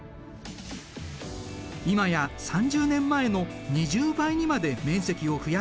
今や３０年前の２０倍にまで面積を増やしている。